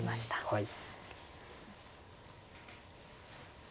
はい。